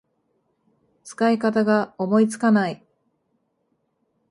使い方が思いつかない